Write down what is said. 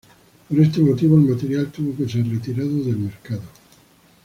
Por ese motivo, el material tuvo que ser retirado del mercado.